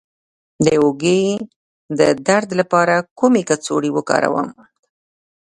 د اوږې د درد لپاره کومه کڅوړه وکاروم؟